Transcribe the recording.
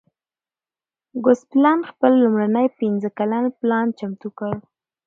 ګوسپلن خپل لومړنی پنځه کلن پلان چمتو کړ